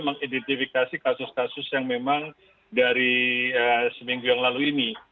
mengidentifikasi kasus kasus yang memang dari seminggu yang lalu ini